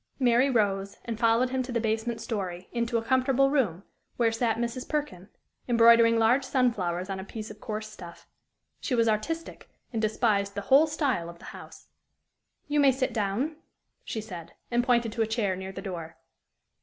Mary rose, and followed him to the basement story, into a comfortable room, where sat Mrs. Perkin, embroidering large sunflowers on a piece of coarse stuff. She was artistic, and despised the whole style of the house. "You may sit down," she said, and pointed to a chair near the door.